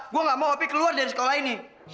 gue gak mau opi keluar dari sekolah ini